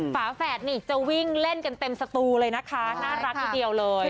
ฝาแฝดนี่จะวิ่งเล่นกันเต็มสตูเลยนะคะน่ารักทีเดียวเลย